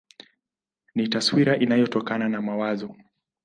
Ni taswira inayotokana na mawazo.